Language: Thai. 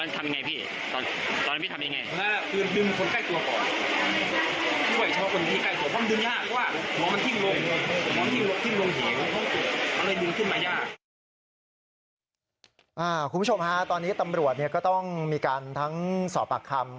คุณผู้ชมฮะตอนนี้ตำรวจก็ต้องมีการทั้งสอบปากคำ